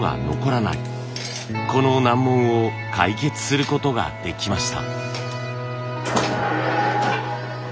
この難問を解決することができました。